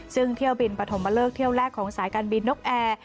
ซึ่งเที่ยวบินปฐมเลิกเที่ยวแรกของสายการบินนกแอร์